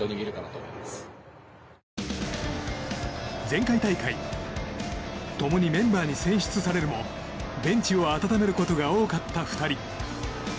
前回大会共にメンバーに選出されるもベンチを温めることが多かった２人。